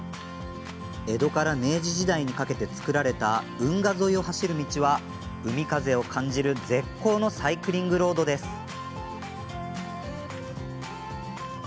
江戸から明治時代にかけて造られた運河沿いを走る道は海風を感じる絶好のサイクリングロードです。